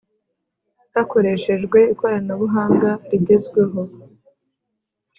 hakoreshejwe ikoranabuhanga rigezweho